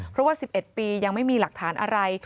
เพราะว่า๑๑ปียังไม่มีหลักฐานอะไร